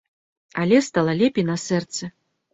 Але стала лепей на сэрцы.